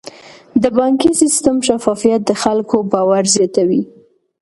د بانکي سیستم شفافیت د خلکو باور زیاتوي.